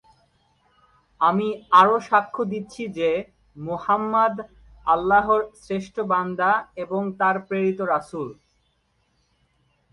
আমি আরও সাক্ষ্য দিচ্ছি যে, মুহাম্মাদ আল্লাহর শ্রেষ্ঠ বান্দা এবং তার প্রেরিত রাসূল।""